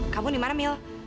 kamu dimana mil